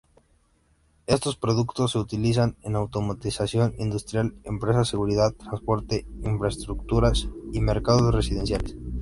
Estos productos se utilizan en automatización industrial, empresa, seguridad, transporte, infraestructuras y mercados residenciales.